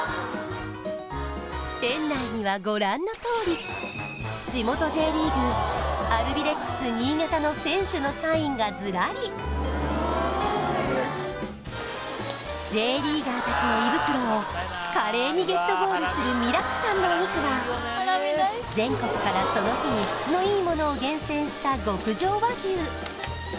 店内にはご覧のとおり地元Ｊリーグアルビレックス新潟の選手のサインがずらりＪリーガーたちの胃袋を華麗にゲットゴールする味楽さんのお肉は全国からその日に質のいいものを厳選した極上和牛